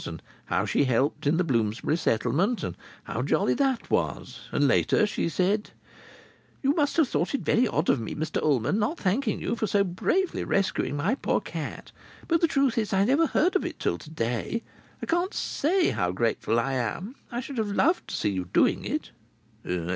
And how she helped in the Bloomsbury Settlement, and how jolly that was. And, later, she said: "You must have thought it very odd of me, Mr Ullman, not thanking you for so bravely rescuing my poor cat; but the truth is I never heard of it till to day. I can't say how grateful I am. I should have loved to see you doing it."